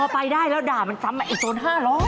พอไปได้แล้วด่ามันซ้ำมาไอ้โจร๕๐๐